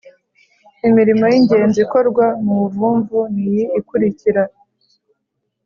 Imirimo y’ingenzi ikorwa mu buvumvu ni iyi ikurikira